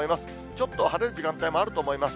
ちょっと晴れる時間帯もあると思います。